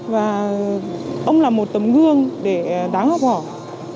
và ông là một tấm gương để đáng học hỏi